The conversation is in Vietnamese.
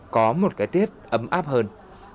có một cái tiết ấm áp hơn